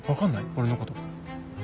俺のこと。